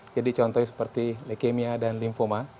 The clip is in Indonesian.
jadi contohnya seperti leukemia dan linfoma